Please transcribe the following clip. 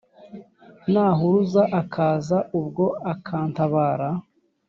Nahuruza akaza ubwo akantabara